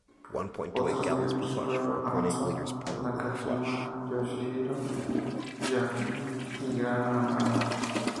Otros miembros fueron Hanzo Nakajima, Yoshihiro Tajiri y Gran Hamada.